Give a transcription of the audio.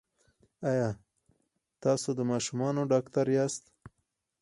ایا تاسو د ماشومانو ډاکټر یاست؟